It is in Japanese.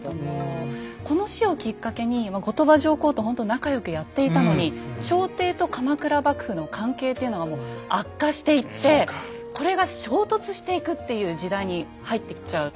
この死をきっかけに後鳥羽上皇とほんと仲良くやっていたのに朝廷と鎌倉幕府の関係っていうのがもう悪化していってこれが衝突していくっていう時代に入っていっちゃう。